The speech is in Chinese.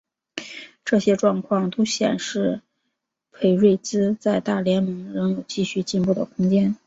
这些状况都显示裴瑞兹在大联盟仍有继续进步的空间。